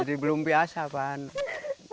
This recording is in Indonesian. jadi belum biasa pak